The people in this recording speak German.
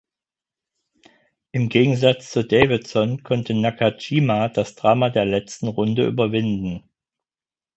Im Gegensatz zu Davidson konnte Nakajima das Drama der letzten Runde überwinden.